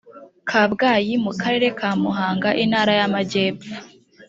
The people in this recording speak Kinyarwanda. kabgayi mu karere ka muhanga intara y amagepfo